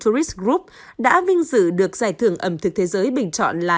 tourist group đã vinh dự được giải thưởng ẩm thực thế giới bình chọn là